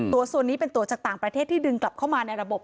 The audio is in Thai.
ตัวส่วนนี้เป็นตัวจากต่างประเทศที่ดึงกลับเข้ามาในระบบ